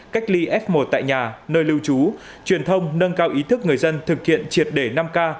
cách ly f một tại nhà nơi lưu trú truyền thông nâng cao ý thức người dân thực hiện triệt để năm k